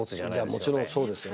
もちろんそうですよ。